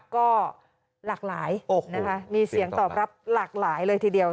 ก็หลากหลายนะคะมีเสียงตอบรับหลากหลายเลยทีเดียว